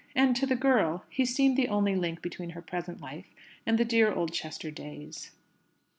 And to the girl, he seemed the only link between her present life and the dear Oldchester days.